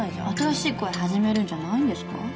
新しい恋始めるんじゃないんですか？